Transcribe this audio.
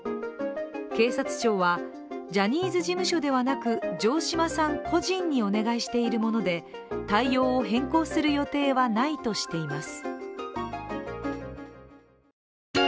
警察庁は、ジャニーズ事務所ではなく城島さん個人にお願いしているもので対応を変更する予定はないとしています。